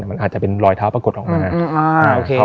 มันอาจจะเป็นรอยเท้าปรากฏออกมา